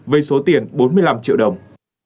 với số tiền bốn mươi năm triệu đồng